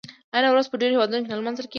آیا نوروز په ډیرو هیوادونو کې نه لمانځل کیږي؟